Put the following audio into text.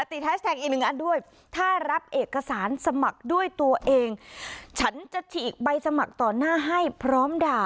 แฮชแท็กอีกหนึ่งอันด้วยถ้ารับเอกสารสมัครด้วยตัวเองฉันจะฉีกใบสมัครต่อหน้าให้พร้อมด่า